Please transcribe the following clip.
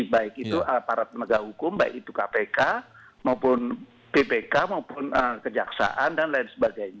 baik itu aparat penegak hukum baik itu kpk maupun bpk maupun kejaksaan dan lain sebagainya